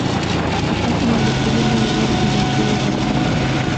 چټک مالیکولونه لوړه انرژي لري.